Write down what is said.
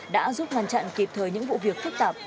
đã giúp ngăn chặn kịp thời những vụ việc phức tạp